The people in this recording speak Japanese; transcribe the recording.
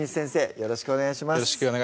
よろしくお願いします